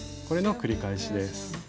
これの繰り返しです。